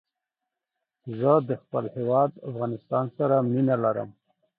زه د خپل هېواد افغانستان سره مينه لرم